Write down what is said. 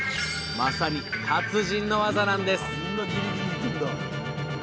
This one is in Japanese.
まさに達人の技なんです